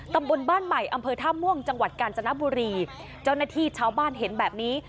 ตำบลบ้านใหม่อำเภอท่าม่วงจังหวัดกาญจนบุรีเจ้าหน้าที่ชาวบ้านเห็นแบบนี้